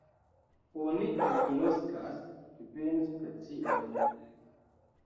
Oni agnoskas kvin speciojn.